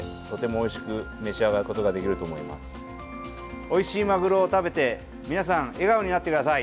おいしいマグロを食べて皆さん、笑顔になってください。